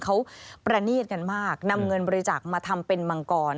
เขาประนีตกันมากนำเงินบริจาคมาทำเป็นมังกร